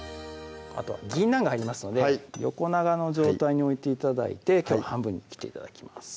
あとはぎんなんが入りますので横長の状態に置いて頂いてきょうは半分に切って頂きます